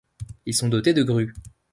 Ils sont dotés de grues.